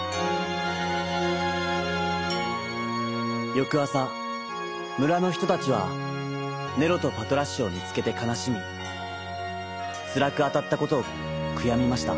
よくあさむらのひとたちはネロとパトラッシュをみつけてかなしみつらくあたったことをくやみました。